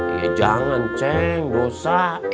iya jangan ceng dosa